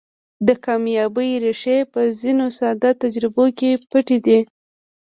د کاميابۍ ريښې په ځينو ساده تجربو کې پټې دي.